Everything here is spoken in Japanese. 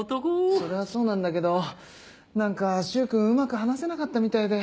それはそうなんだけど何か柊君うまく話せなかったみたいで。